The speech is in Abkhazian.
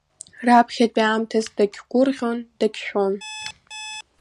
Раԥхьатәи аамҭаз дагьгәырӷьон, дагьшәон.